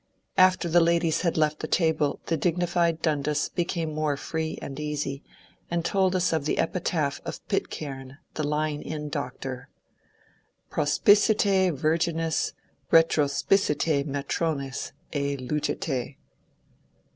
After the ladies had left the table the dignified Dundas became more free and easy and told us of the epitaph of Pitcaim, the lying in doctor :" Prospicite virgines, retro spicite matrones, et lugete."